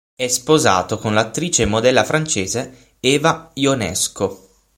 È sposato con l'attrice e modella francese Eva Ionesco.